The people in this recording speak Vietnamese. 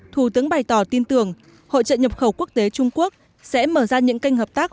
thủ tướng bày tỏ tin tưởng hội trợ nhập khẩu quốc tế trung quốc sẽ mở ra những kênh hợp tác